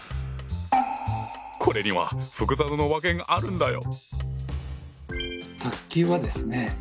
これには複雑な訳があるんだよ。